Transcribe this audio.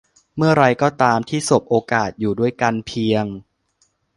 เมื่อไรก็ตามที่สบโอกาสอยู่ด้วยกันเพียง